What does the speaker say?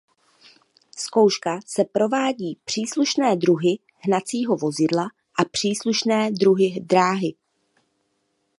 Zkouška se provádí příslušné druhy hnacího vozidla a příslušné druhy dráhy.